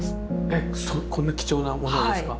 えっこんな貴重なものをですか？